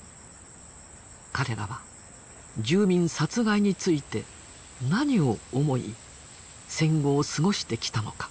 彼らは住民殺害について何を思い戦後を過ごしてきたのか？